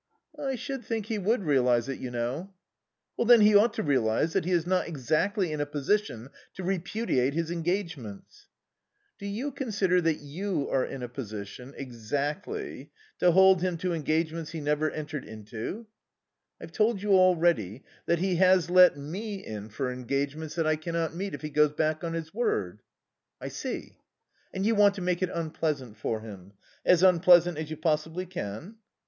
"I should think he would realize it, you know." "Then he ought to realize that he is not exactly in a position to repudiate his engagements." "Do you consider that you are in a position exactly to hold him to engagements he never entered into?" "I've told you already that he has let me in for engagements that I cannot meet if he goes back on his word." "I see. And you want to make it unpleasant for him. As unpleasant as you possibly can?"